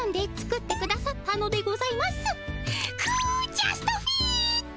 ジャストフィット。